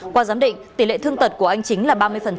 qua giám định tỷ lệ thương tật của anh chính là ba mươi